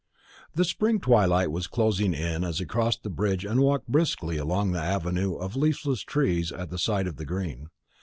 The spring twilight was closing in as he crossed the bridge and walked briskly along an avenue of leafless trees at the side of the green.